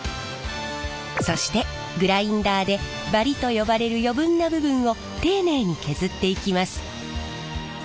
そしてグラインダーでバリと呼ばれる余分な部分を丁寧に削っていきます。